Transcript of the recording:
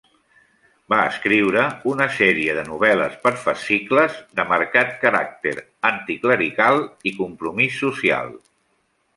Va escriure una sèrie de novel·les per fascicles de marcat caràcter anticlerical i compromís social.